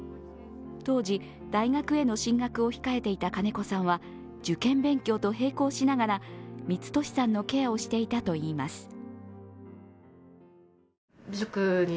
当時、大学への進学を控えていた金子さんは受験勉強と並行しながら光寿さんのケアをしていたといいます。